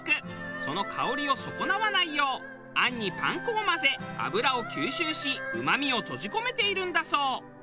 その香りを損なわないよう餡にパン粉を混ぜ脂を吸収しうまみを閉じ込めているんだそう。